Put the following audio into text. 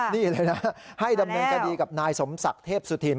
นี่เลยนะให้ดำเนินคดีกับนายสมศักดิ์เทพสุธิน